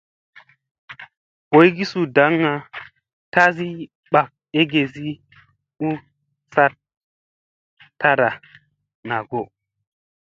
Boygi suu daŋga tasi ɓaa egesi u saɗ taɗa naa go.